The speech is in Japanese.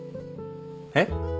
えっ？